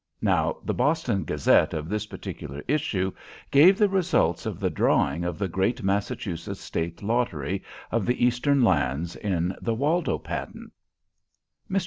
Now the "Boston Gazette," of this particular issue, gave the results of the drawing of the great Massachusetts State Lottery of the Eastern Lands in the Waldo Patent. Mr.